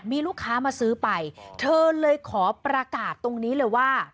มีลูกค้ามาซื้อไปเธอเลยขอประกาศตรงนี้เลยว่า